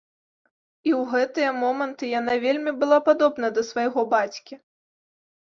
І ў гэтыя моманты яна вельмі была падобна да свайго бацькі.